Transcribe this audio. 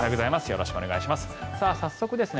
よろしくお願いします。